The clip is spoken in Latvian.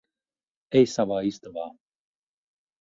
Ej savā istabā.